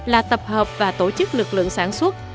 là tập hợp và tổ chức lực lượng sản xuất